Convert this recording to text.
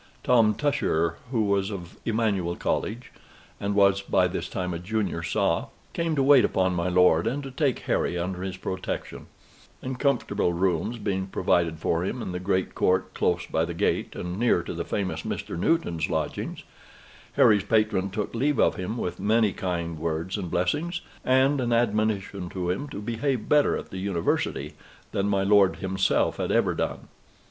Tom Tusher, who was of Emanuel College, and was by this time a junior soph, came to wait upon my lord, and to take Harry under his protection; and comfortable rooms being provided for him in the great court close by the gate, and near to the famous Mr. Newton's lodgings, Harry's patron took leave of him with many kind words and blessings, and an admonition to him to behave better at the University than my lord himself had ever done.